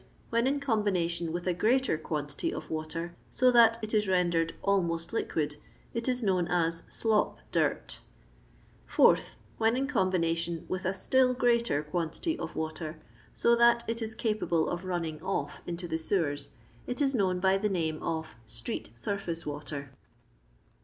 When in combination with a greater qunn tity of water, so that it is rendered almost liquid, it is known as " slop dirt" 4tb. When in combination with a still greater quantity of water, so that it is capable of running off into the sewers, it is known by the name of " street surfiwe water."